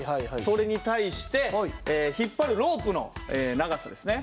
それに対して引っ張るロープの長さですね。